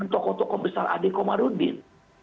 tokoh tokoh besar ade komarudin